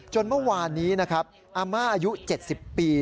เมื่อวานนี้นะครับอาม่าอายุ๗๐ปี